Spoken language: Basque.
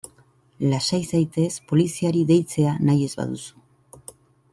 Lasai zaitez poliziari deitzea nahi ez baduzu.